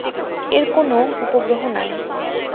এর কোনও উপগ্রহ নাই।